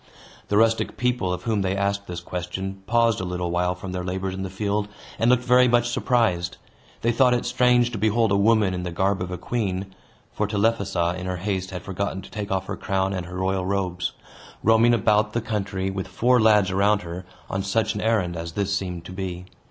The rustic people, of whom they asked this question, paused a little while from their labors in the field, and looked very much surprised. They thought it strange to behold a woman in the garb of a queen (for Telephassa in her haste had forgotten to take off her crown and her royal robes), roaming about the country, with four lads around her, on such an errand as this seemed to be.